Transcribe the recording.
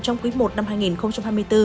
trong quý i năm hai nghìn hai mươi bốn